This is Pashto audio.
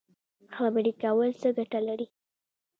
خبرې کول څه ګټه لري؟